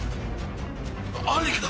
兄貴だ。